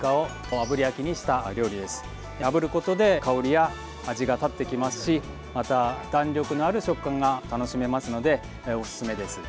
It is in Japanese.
あぶることで香りや味が立ってきますしまた弾力のある食感が楽しめますので、おすすめです。